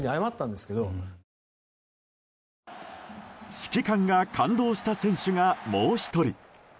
指揮官が感動した選手がもう１人。